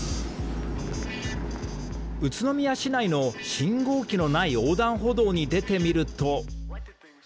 宇都宮市内の信号機のない横断歩道に出てみると。